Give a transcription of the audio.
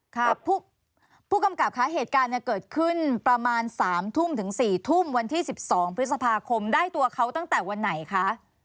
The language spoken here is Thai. ผู้กำกับคะเหตุการณ์เนี่ยเกิดขึ้นประมาณ๓ทุ่มถึง๔ทุ่มวันที่๑๒พฤษภาคมได้ตัวเขาตั้งแต่วันไหนคะ